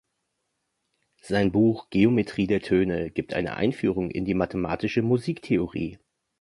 Sein Buch "Geometrie der Töne" gibt eine Einführung in die mathematische Musiktheorie.